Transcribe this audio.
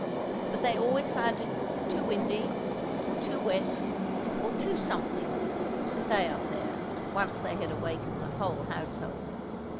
But they always found it too windy, or too wet, or too something, to stay up there, once they had awakened the whole household.